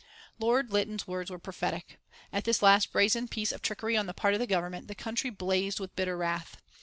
Lord Lytton's words were prophetic. At this last brazen piece of trickery on the part of the Government the country blazed with bitter wrath.